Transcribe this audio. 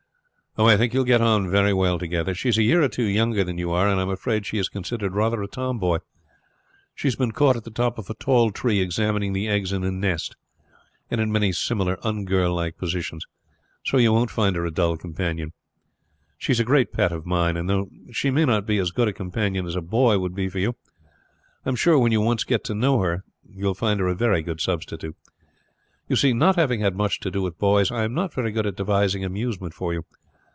"I think you will get on very well together. She is a year or two younger than you are, and I am afraid she is considered rather a tomboy. She has been caught at the top of a tall tree examining the eggs in a nest, and in many similar ungirl like positions; so you won't find her a dull companion. She is a great pet of mine, and though she may not be as good a companion as a boy would be for you, I am sure when you once get to know her you will find her a very good substitute. You see, not having had much to do with boys, I am not very good at devising amusement for you.